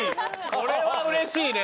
これは嬉しいね。